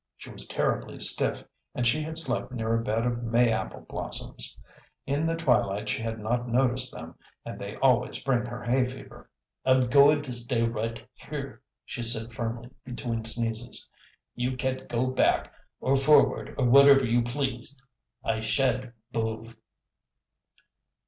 She was terribly stiff and she had slept near a bed of May apple blossoms. In the twilight she had not noticed them, and they always bring her hay fever. "I'b goi'g to stay right here," she said firmly between sneezes. "You cad go back or forward or whatever you please; I shad't bove."